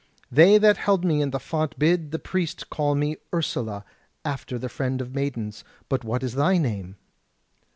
They that held me at the font bid the priest call me Ursula, after the Friend of Maidens. But what is thy name?"